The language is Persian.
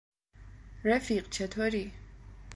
رفیق چطوری؟